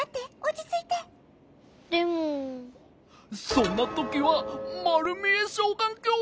そんなときはまるみえそうがんきょう！